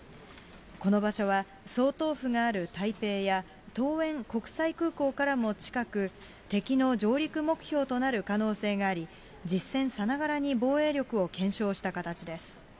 この場所は、総統府がある台北や桃園国際空港からも近く、敵の上陸目標となる可能性があり、実戦さながらに防衛力を検証した形です。